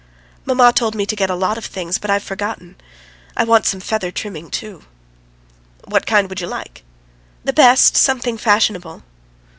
"Mamma told me to get a lot of things, but I've forgotten. I want some feather trimming too." "What kind would you like?" "The best, something fashionable."